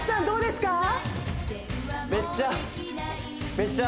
どうですか？